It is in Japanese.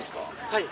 はい。